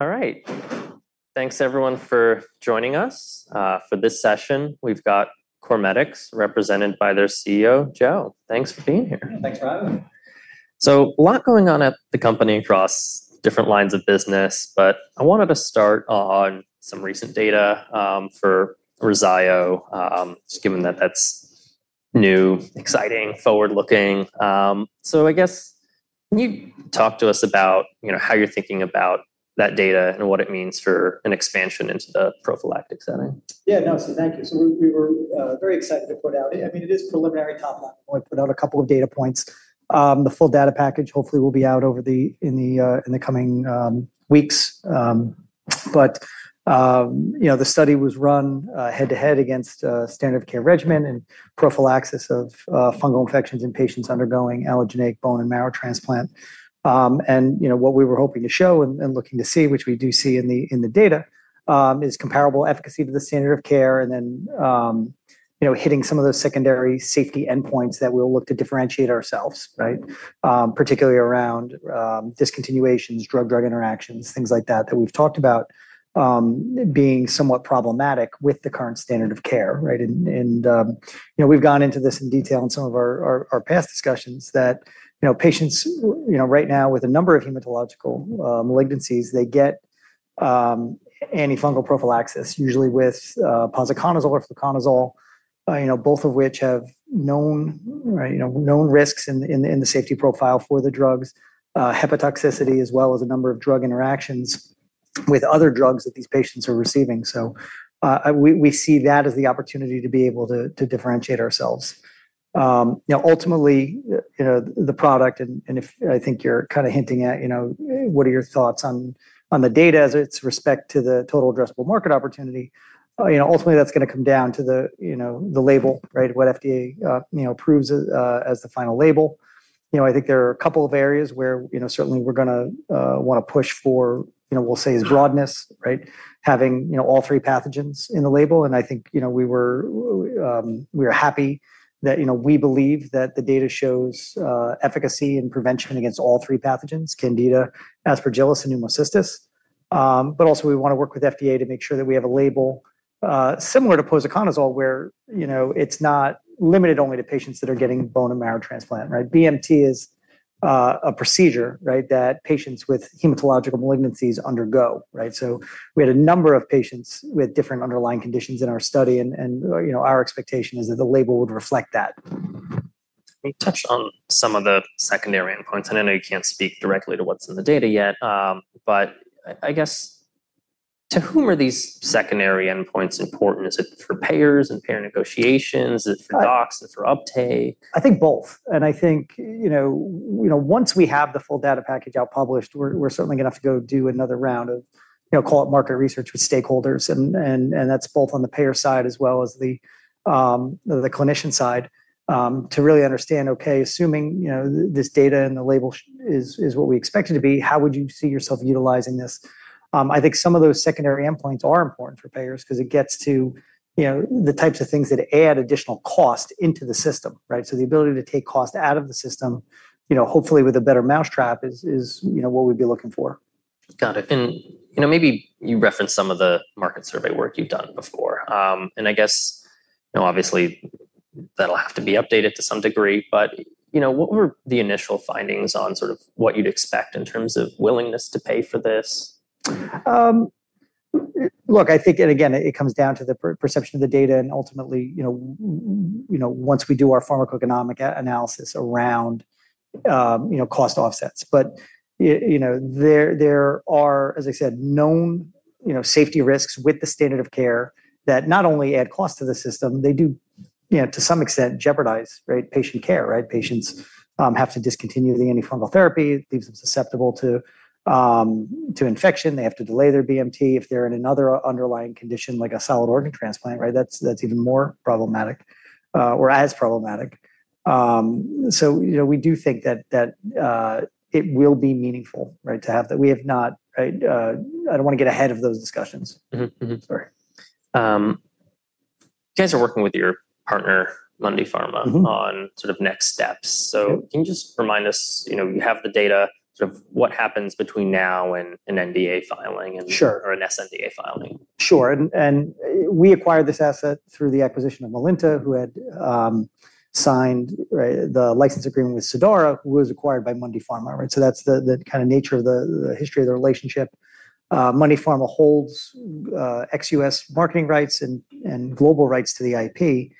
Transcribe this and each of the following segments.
All right. Thanks everyone for joining us. For this session, we've got CorMedix, represented by their CEO, Joe. Thanks for being here. Thanks for having me. A lot going on at the company across different lines of business, but I wanted to start on some recent data for REZZAYO, just given that that's new, exciting, forward-looking. I guess, can you talk to us about how you're thinking about that data and what it means for an expansion into the prophylactic setting? Yeah, no. Thank you. We were very excited to put out It is preliminary top line. We only put out a couple of data points. The full data package hopefully will be out in the coming weeks. The study was run head-to-head against a standard of care regimen and prophylaxis of fungal infections in patients undergoing allogeneic bone marrow transplant. What we were hoping to show and looking to see, which we do see in the data, is comparable efficacy to the standard of care and then hitting some of those secondary safety endpoints that we'll look to differentiate ourselves, right? Particularly around discontinuations, drug-drug interactions, things like that we've talked about being somewhat problematic with the current standard of care, right? We've gone into this in detail in some of our past discussions that patients right now with a number of hematological malignancies, they get antifungal prophylaxis, usually with posaconazole or fluconazole, both of which have known risks in the safety profile for the drugs, hepatotoxicity, as well as a number of drug interactions with other drugs that these patients are receiving. We see that as the opportunity to be able to differentiate ourselves. Ultimately, the product, and I think you're kind of hinting at what are your thoughts on the data as it's respect to the total addressable market opportunity. Ultimately, that's going to come down to the label, right? What FDA approves as the final label. I think there are a couple of areas where certainly we're going to want to push for, we'll say, is broadness, right? Having all three pathogens in the label, I think we're happy that we believe that the data shows efficacy and prevention against all three pathogens, Candida, Aspergillus, and Pneumocystis. Also, we want to work with FDA to make sure that we have a label similar to posaconazole, where it's not limited only to patients that are getting bone marrow transplant, right? BMT is a procedure, right? That patients with hematological malignancies undergo, right? We had a number of patients with different underlying conditions in our study, and our expectation is that the label would reflect that. You touched on some of the secondary endpoints. I know you can't speak directly to what's in the data yet, but I guess, to whom are these secondary endpoints important? Is it for payers and payer negotiations? Is it for docs? Is it for uptake? I think both. I think once we have the full data package out published, we're certainly going to have to go do another round of call it market research with stakeholders, and that's both on the payer side as well as the clinician side, to really understand, okay, assuming this data and the label is what we expect it to be, how would you see yourself utilizing this? I think some of those secondary endpoints are important for payers because it gets to the types of things that add additional cost into the system, right? The ability to take cost out of the system, hopefully with a better mousetrap, is what we'd be looking for. Got it. Maybe you referenced some of the market survey work you've done before. I guess obviously that'll have to be updated to some degree, but what were the initial findings on sort of what you'd expect in terms of willingness to pay for this? Look, I think, and again, it comes down to the perception of the data and ultimately once we do our pharmacoeconomic analysis around cost offsets. There are, as I said, known safety risks with the standard of care that not only add cost to the system, they do, to some extent, jeopardize patient care, right? Patients have to discontinue the antifungal therapy. It leaves them susceptible to infection. They have to delay their BMT if they're in another underlying condition like a solid organ transplant, right? That's even more problematic, or as problematic. We do think that it will be meaningful, right? To have that. I don't want to get ahead of those discussions. Mm-hmm. Sorry. You guys are working with your partner, Mundipharma on sort of next steps. Yep. Can you just remind us, you have the data, sort of what happens between now and an NDA filing? Sure An sNDA filing? Sure. We acquired this asset through the acquisition of Melinta, who had signed the license agreement with Cidara, who was acquired by Mundipharma, right? That's the kind of nature of the history of the relationship. Mundipharma holds ex-U.S. marketing rights and global rights to the IP.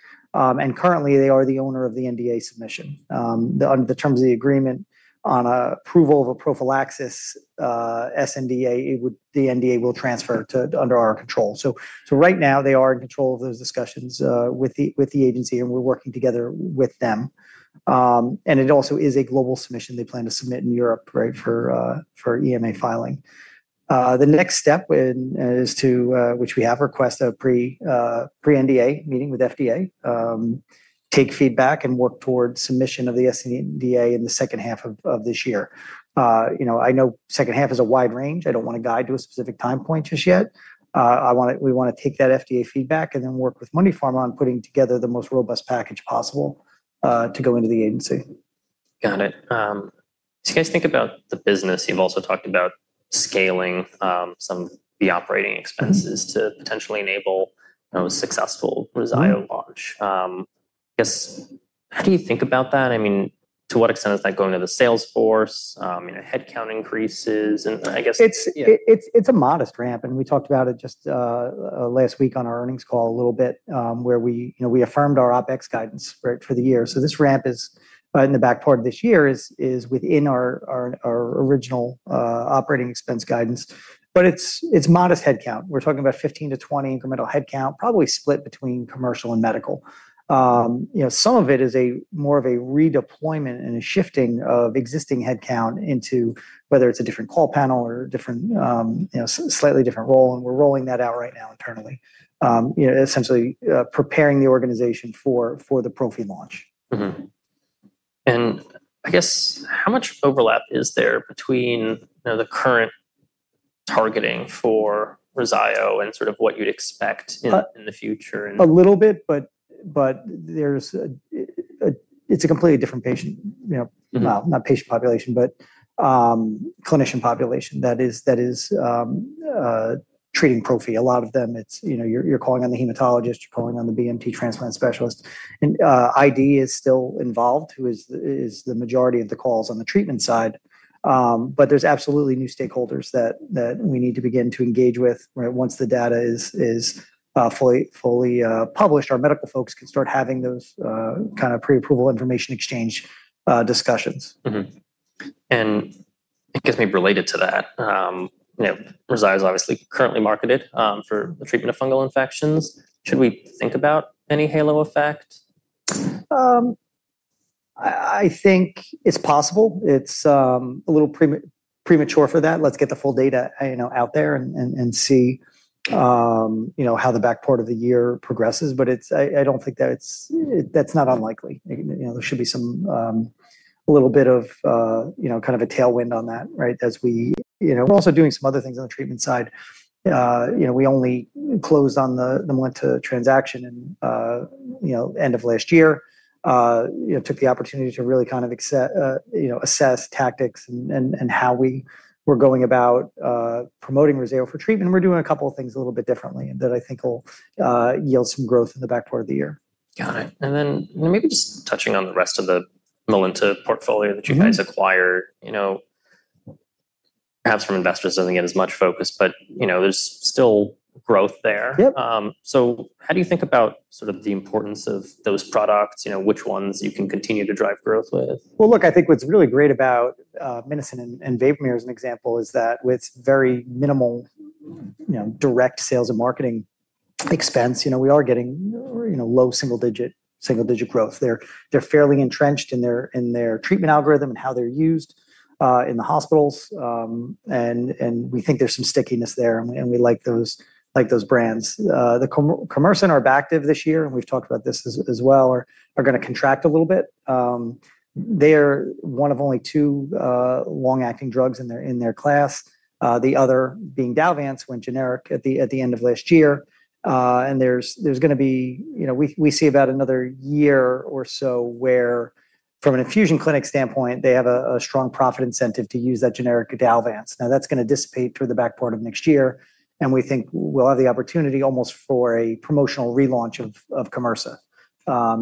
Currently, they are the owner of the NDA submission. The terms of the agreement on approval of a prophylaxis sNDA, the NDA will transfer to under our control. Right now, they are in control of those discussions with the agency, and we're working together with them. It also is a global submission they plan to submit in Europe, right, for EMA filing. The next step is to, which we have, request a pre-NDA meeting with FDA, take feedback, and work towards submission of the sNDA in the second half of this year. I know second half is a wide range. I don't want to guide to a specific time point just yet. We want to take that FDA feedback and then work with Mundipharma on putting together the most robust package possible, to go into the agency. Got it. As you guys think about the business, you've also talked about scaling some of the operating expenses to potentially enable a successful REZZAYO launch. I guess, how do you think about that? To what extent is that going to the sales force, headcount increases? It's a modest ramp, and we talked about it just last week on our earnings call a little bit, where we affirmed our OpEx guidance for the year. This ramp is in the back part of this year is within our original operating expense guidance. It's modest headcount. We're talking about 15 to 20 incremental headcount, probably split between commercial and medical. Some of it is more of a redeployment and a shifting of existing headcount into whether it's a different call panel or slightly different role, and we're rolling that out right now internally. Essentially preparing the organization for the Prophy launch. Mm-hmm. I guess how much overlap is there between the current targeting for REZZAYO and sort of what you'd expect in the future? A little bit, it's a completely different patient, well, not patient population, but clinician population that is treating prophy. A lot of them, you're calling on the hematologist, you're calling on the BMT transplant specialist. ID is still involved, who is the majority of the calls on the treatment side. There's absolutely new stakeholders that we need to begin to engage with right once the data is fully published. Our medical folks can start having those kind of pre-approval information exchange discussions. Mm-hmm. I guess maybe related to that, REZZAYO's obviously currently marketed for the treatment of fungal infections. Should we think about any halo effect? I think it's possible. It's a little premature for that. Let's get the full data out there and see how the back part of the year progresses. That's not unlikely. There should be a little bit of a tailwind on that, right. We're also doing some other things on the treatment side. We only closed on the Melinta transaction end of last year. Took the opportunity to really assess tactics and how we were going about promoting REZZAYO for treatment, and we're doing a couple of things a little bit differently that I think will yield some growth in the back part of the year. Got it. Maybe just touching on the rest of the Melinta portfolio that you guys acquired. Perhaps from investors doesn't get as much focus, but there's still growth there. Yep. How do you think about sort of the importance of those products, which ones you can continue to drive growth with? Look, I think what's really great about MINOCIN and VABOMERE as an example is that with very minimal direct sales and marketing expense, we are getting low single-digit growth. They're fairly entrenched in their treatment algorithm and how they're used in the hospitals. We think there's some stickiness there, and we like those brands. The KIMYRSA and ORBACTIV this year, and we've talked about this as well, are going to contract a little bit. They are one of only two long-acting drugs in their class, the other being DALVANCE went generic at the end of last year. We see about another year or so where from an infusion clinic standpoint, they have a strong profit incentive to use that generic DALVANCE. That's going to dissipate through the back part of next year, and we think we'll have the opportunity almost for a promotional relaunch of KIMYRSA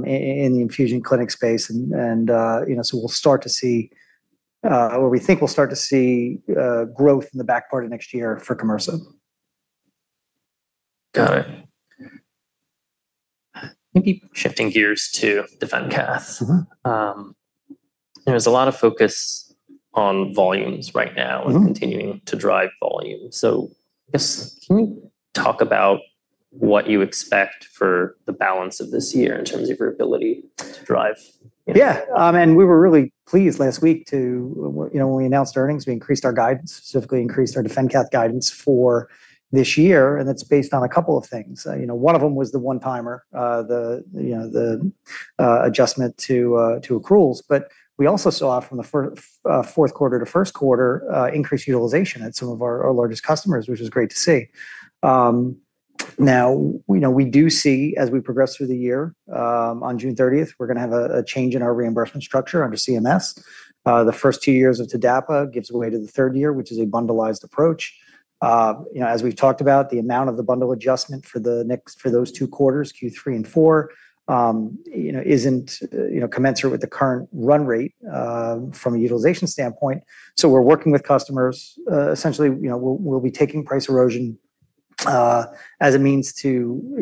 in the infusion clinic space. We'll start to see, or we think we'll start to see growth in the back part of next year for KIMYRSA. Got it. Maybe shifting gears to DefenCath. There's a lot of focus on volumes right now and continuing to drive volume. I guess, can you talk about what you expect for the balance of this year in terms of your ability to drive? We were really pleased last week when we announced earnings. We increased our guidance, specifically increased our DefenCath guidance for this year, and that's based on a couple of things. One of them was the one-timer, the adjustment to accruals. We also saw from the fourth quarter to first quarter increased utilization at some of our largest customers, which was great to see. We do see, as we progress through the year, on June 30th, we're going to have a change in our reimbursement structure under CMS. The first two years of TDAPA gives way to the third year, which is a bundled approach. As we've talked about, the amount of the bundle adjustment for those two quarters, Q3 and Q4, isn't commensurate with the current run rate from a utilization standpoint. We're working with customers. Essentially,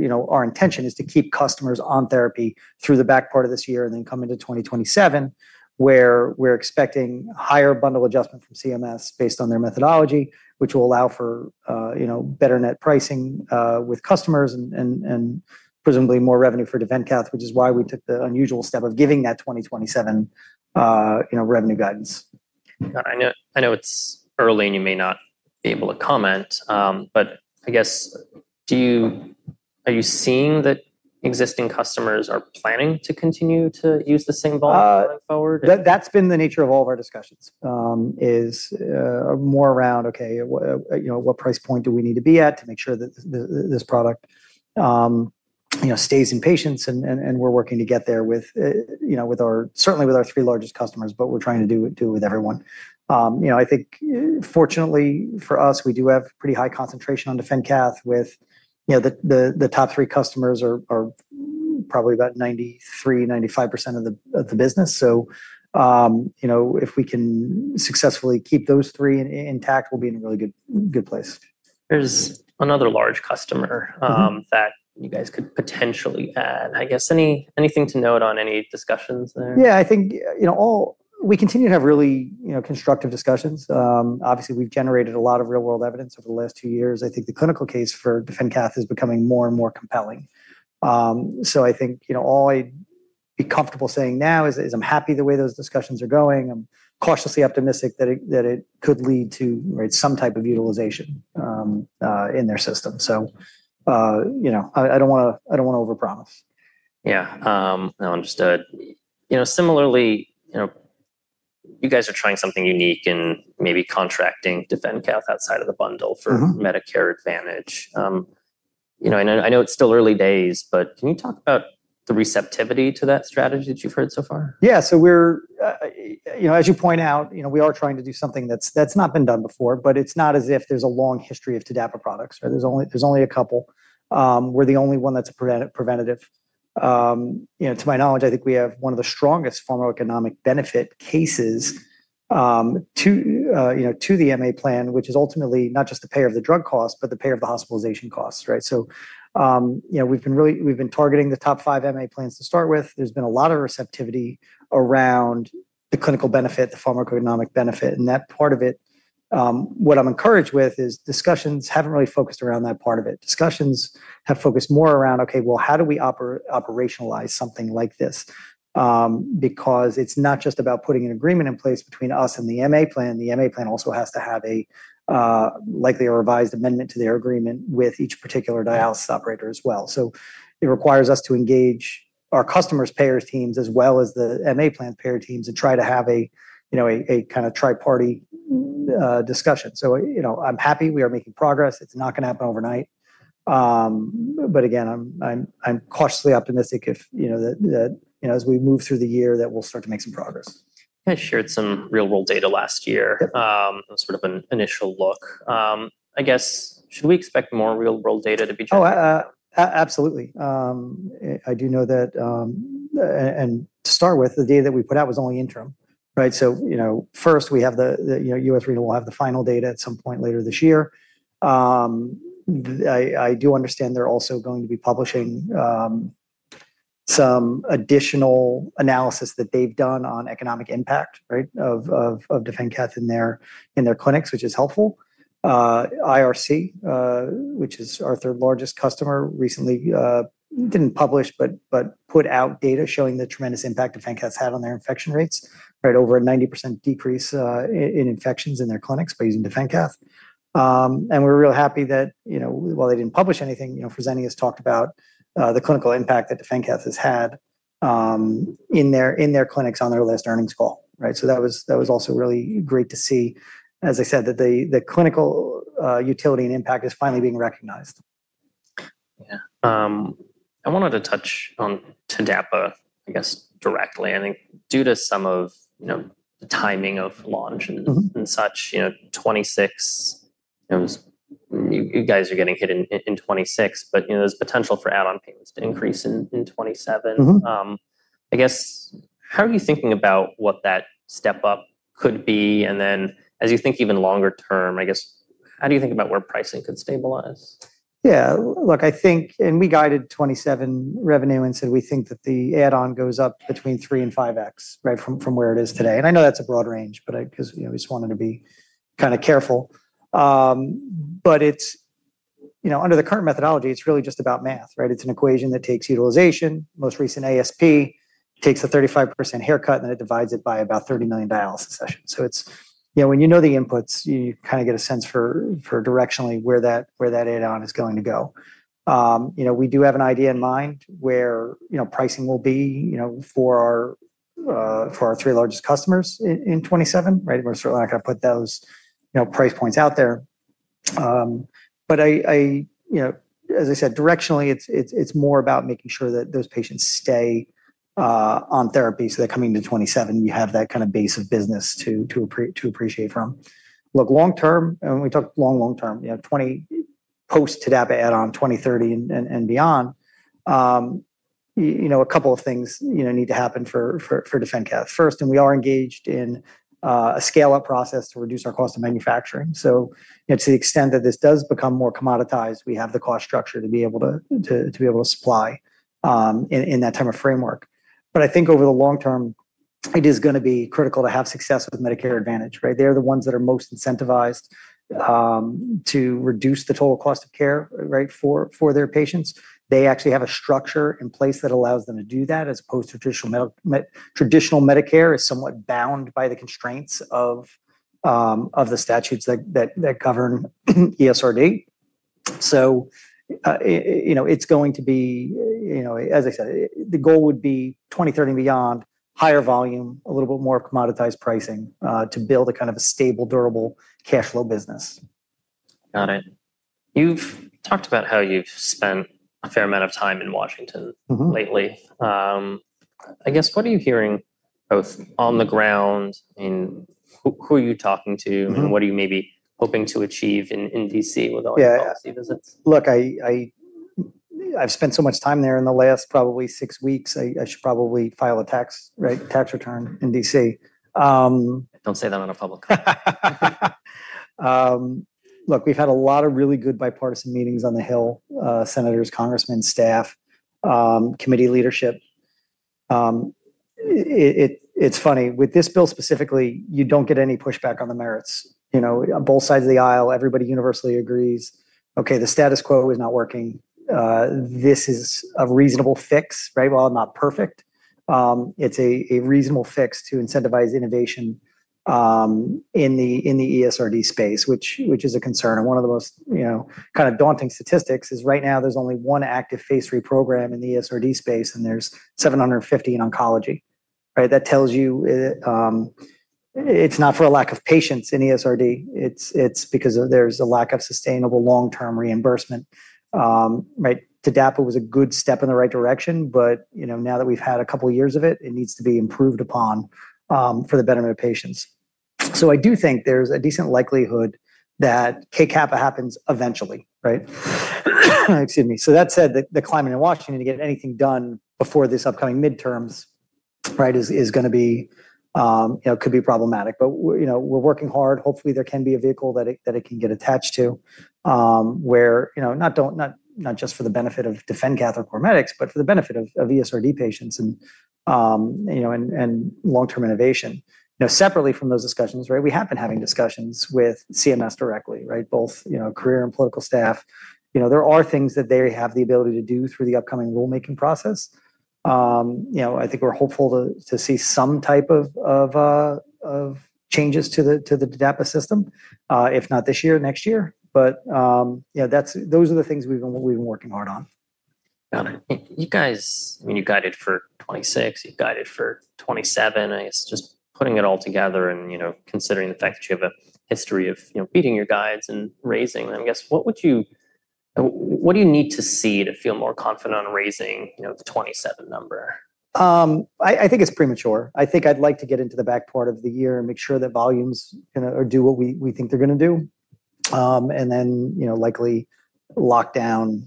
our intention is to keep customers on therapy through the back part of this year and then come into 2027, where we're expecting higher bundle adjustment from CMS based on their methodology, which will allow for better net pricing with customers and presumably more revenue for DefenCath, which is why we took the unusual step of giving that 2027 revenue guidance. I know it's early, and you may not be able to comment, but I guess, are you seeing that existing customers are planning to continue to use the same volume going forward? That's been the nature of all of our discussions is more around, okay, what price point do we need to be at to make sure that this product stays in patients and we're working to get there certainly with our three largest customers, but we're trying to do it with everyone. I think fortunately for us, we do have pretty high concentration on DefenCath with the top three customers are probably about 93%-95% of the business. If we can successfully keep those three intact, we'll be in a really good place. There's another large customer that you guys could potentially add. I guess anything to note on any discussions there? Yeah, I think we continue to have really constructive discussions. Obviously, we've generated a lot of real-world evidence over the last two years. I think the clinical case for DefenCath is becoming more and more compelling. I think all I'd be comfortable saying now is I'm happy the way those discussions are going. I'm cautiously optimistic that it could lead to some type of utilization in their system. I don't want to overpromise. Yeah. No, understood. Similarly, you guys are trying something unique in maybe contracting DefenCath outside of the bundle for Medicare Advantage. I know it's still early days, but can you talk about the receptivity to that strategy that you've heard so far? As you point out, we are trying to do something that's not been done before, but it's not as if there's a long history of TDAPA products, right? There's only a couple. We're the only one that's preventative. To my knowledge, I think we have one of the strongest pharmacoeconomic benefit cases to the MA plan, which is ultimately not just the payer of the drug cost, but the payer of the hospitalization costs, right? We've been targeting the top five MA plans to start with. There's been a lot of receptivity around the clinical benefit, the pharmacoeconomic benefit, and that part of it, what I'm encouraged with is discussions haven't really focused around that part of it. Discussions have focused more around, okay, well, how do we operationalize something like this? It's not just about putting an agreement in place between us and the MA plan. The MA plan also has to have likely a revised amendment to their agreement with each particular dialysis operator as well. It requires us to engage our customers' payer teams as well as the MA plan payer teams and try to have a kind of tri-party discussion. I'm happy we are making progress. It's not going to happen overnight. Again, I'm cautiously optimistic that as we move through the year, that we'll start to make some progress. You guys shared some real-world data last year, sort of an initial look. I guess, should we expect more real-world data to be coming? Oh, absolutely. I do know that. To start with, the data that we put out was only interim, right? First, we have the U.S. Renal will have the final data at some point later this year. I do understand they're also going to be publishing some additional analysis that they've done on economic impact of DefenCath in their clinics, which is helpful. IRC, which is our third largest customer, recently didn't publish, but put out data showing the tremendous impact DefenCath's had on their infection rates. Over a 90% decrease in infections in their clinics by using DefenCath. We're real happy that while they didn't publish anything, Fresenius talked about the clinical impact that DefenCath has had in their clinics on their last earnings call. That was also really great to see, as I said, that the clinical utility and impact is finally being recognized. Yeah. I wanted to touch on TDAPA, I guess, directly. I think due to some of the timing of launch and such, you guys are getting hit in 2026, but there's potential for add-on payments to increase in 2027. I guess, how are you thinking about what that step-up could be? As you think even longer term, I guess, how do you think about where pricing could stabilize? Look, I think, we guided 2027 revenue and said we think that the add-on goes up between 3x and 5x from where it is today. I know that's a broad range, because we just wanted to be careful. Under the current methodology, it's really just about math, right? It's an equation that takes utilization, most recent ASP, takes a 35% haircut, then it divides it by about 30 million dialysis sessions. When you know the inputs, you kind of get a sense for directionally where that add-on is going to go. We do have an idea in mind where pricing will be for our three largest customers in 2027, right? We're certainly not going to put those price points out there. As I said, directionally, it's more about making sure that those patients stay on therapy so that coming to 2027, you have that kind of base of business to appreciate from. Look, long-term, and when we talk long, long-term, post-TDAPA add-on 2030 and beyond, a couple of things need to happen for DefenCath. First, we are engaged in a scale-up process to reduce our cost of manufacturing. To the extent that this does become more commoditized, we have the cost structure to be able to supply in that time of framework. I think over the long term, it is going to be critical to have success with Medicare Advantage, right? They're the ones that are most incentivized to reduce the total cost of care for their patients. They actually have a structure in place that allows them to do that as opposed to traditional Medicare, is somewhat bound by the constraints of the statutes that govern ESRD. It's going to be, as I said, the goal would be 2030 and beyond higher volume, a little bit more commoditized pricing, to build a kind of a stable, durable cash flow business. Got it. You've talked about how you've spent a fair amount of time in Washington lately. I guess, what are you hearing both on the ground and who are you talking to? What are you maybe hoping to achieve in D.C. with all your policy visits? Look, I've spent so much time there in the last probably six weeks, I should probably file a tax return in D.C. Don't say that on a public call. Look, we've had a lot of really good bipartisan meetings on the Hill, senators, congressmen, staff, committee leadership. It's funny. With this bill specifically, you don't get any pushback on the merits. On both sides of the aisle, everybody universally agrees, okay, the status quo is not working. This is a reasonable fix. While not perfect, it's a reasonable fix to incentivize innovation in the ESRD space, which is a concern. One of the most kind of daunting statistics is right now there's only one active phase III program in the ESRD space, and there's 750 in oncology. That tells you it's not for a lack of patients in ESRD, it's because there's a lack of sustainable long-term reimbursement. TDAPA was a good step in the right direction. Now that we've had a couple of years of it needs to be improved upon for the betterment of patients. I do think there's a decent likelihood that KCAPPA happens eventually, right? Excuse me. That said, the climate in Washington to get anything done before this upcoming midterms could be problematic. We're working hard. Hopefully there can be a vehicle that it can get attached to, not just for the benefit of DefenCath or CorMedix, but for the benefit of ESRD patients and long-term innovation. Separately from those discussions, we have been having discussions with CMS directly, both career and political staff. There are things that they have the ability to do through the upcoming rulemaking process. I think we're hopeful to see some type of changes to the TDAPA system. If not this year, next year. Those are the things we've been working hard on. Got it. You guys, you've guided for 2026, you've guided for 2027, I guess just putting it all together and considering the fact that you have a history of beating your guides and raising, I guess, what do you need to see to feel more confident on raising the 2027 number? I think it's premature. I think I'd like to get into the back part of the year and make sure that volumes do what we think they're going to do. Then likely lock down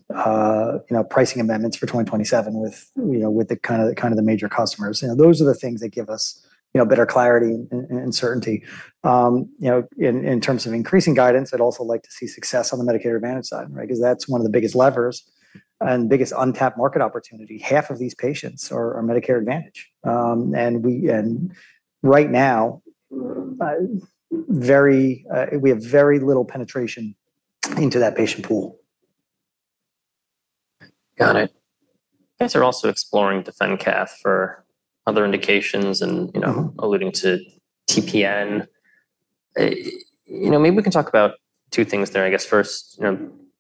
pricing amendments for 2027 with the major customers. Those are the things that give us better clarity and certainty. In terms of increasing guidance, I'd also like to see success on the Medicare Advantage side. That's one of the biggest levers and biggest untapped market opportunity. Half of these patients are Medicare Advantage. Right now, we have very little penetration into that patient pool. Got it. You guys are also exploring DefenCath for other indications and alluding to TPN. Maybe we can talk about two things there. I guess first,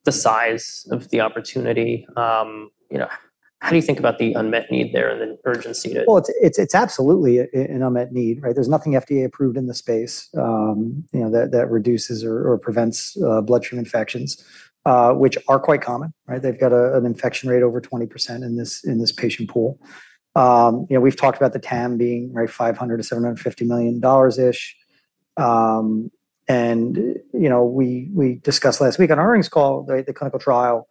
the size of the opportunity. How do you think about the unmet need there and the urgency to? Well, it's absolutely an unmet need. There's nothing FDA approved in the space that reduces or prevents bloodstream infections, which are quite common. They've got an infection rate over 20% in this patient pool. We've talked about the TAM being $500 million-$750 million-ish. We discussed last week on earnings call, the clinical trial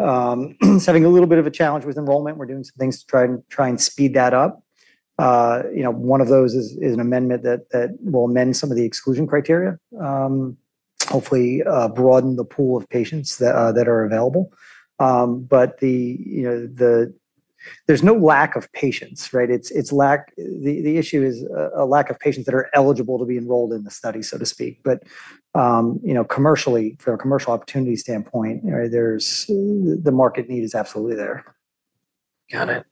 is having a little bit of a challenge with enrollment. We're doing some things to try and speed that up. One of those is an amendment that will amend some of the exclusion criteria. Hopefully broaden the pool of patients that are available. There's no lack of patients. The issue is a lack of patients that are eligible to be enrolled in the study, so to speak. Commercially, from a commercial opportunity standpoint, the market need is absolutely there. Got it.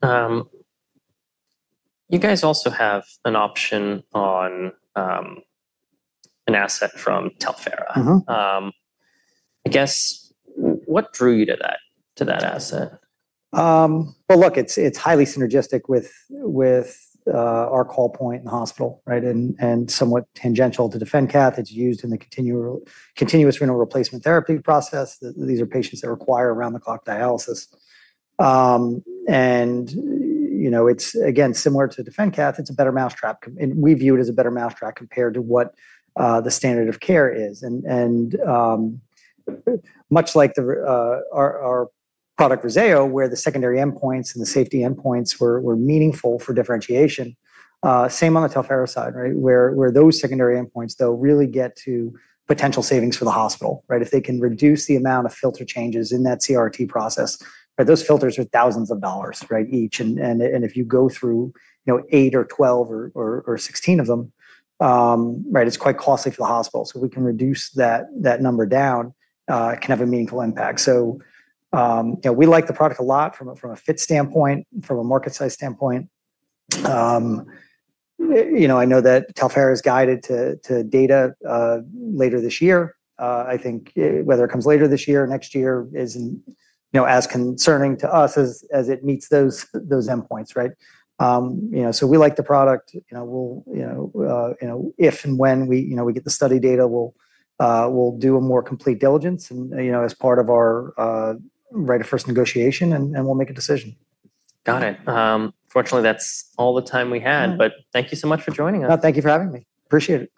You guys also have an option on an asset from Talphera. I guess, what drew you to that asset? Well, look, it's highly synergistic with our call point in the hospital, and somewhat tangential to DefenCath. It's used in the continuous renal replacement therapy process. These are patients that require around-the-clock dialysis. It's, again, similar to DefenCath, it's a better mousetrap. We view it as a better mousetrap compared to what the standard of care is. Much like our product REZZAYO, where the secondary endpoints and the safety endpoints were meaningful for differentiation, same on the Talphera side. Where those secondary endpoints, though, really get to potential savings for the hospital. If they can reduce the amount of filter changes in that CRRT process, those filters are thousands of dollars each. If you go through eight or 12 or 16 of them, it's quite costly for the hospital. If we can reduce that number down, it can have a meaningful impact. We like the product a lot from a fit standpoint, from a market size standpoint. I know that Talphera is guided to data later this year. I think whether it comes later this year or next year isn't as concerning to us as it meets those endpoints. We like the product. If and when we get the study data, we'll do a more complete diligence and as part of our right of first negotiation, and we'll make a decision. Got it. Unfortunately, that's all the time we had. Thank you so much for joining us. No, thank you for having me. Appreciate it.